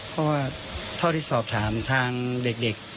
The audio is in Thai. เพราะว่าเท่าที่สอบถามทางเด็ก